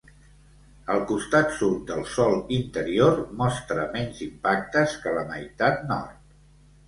El costat sud del sòl interior mostra menys impactes que la meitat nord.